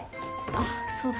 あっそうだ。